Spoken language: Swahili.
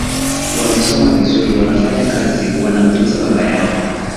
wamesoma vizuri wanafanya kazi wanamtunza baba yao